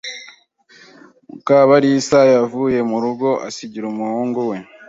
Mukabarisa yavuye mu rugo asigira umuhungu we.